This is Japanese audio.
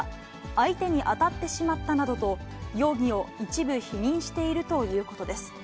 相手に当たってしまったなどと、容疑を一部否認しているということです。